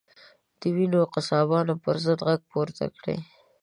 د وینو قصابانو پر ضد غږ پورته کړئ.